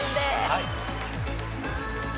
はい。